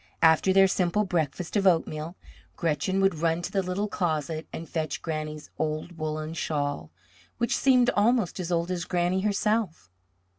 After their simple breakfast of oatmeal, Gretchen would run to the little closet and fetch Granny's old woollen shawl, which seemed almost as old as Granny herself.